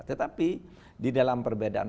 tetapi di dalam perbedaan